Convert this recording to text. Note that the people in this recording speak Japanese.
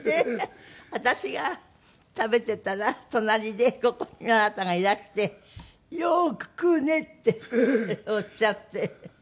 私が食べていたら隣でここにあなたがいらして「よく食うね」っておっしゃって。